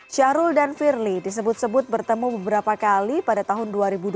syahrul dan firly disebut sebut bertemu beberapa kali pada tahun dua ribu dua belas